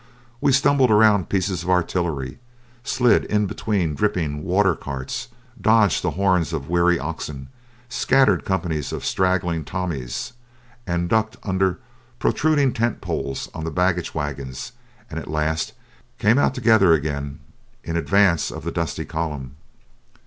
We stumbled around pieces of artillery, slid in between dripping water carts, dodged the horns of weary oxen, scattered companies of straggling Tommies, and ducked under protruding tent poles on the baggage wagons, and at last came out together again in advance of the dusty column.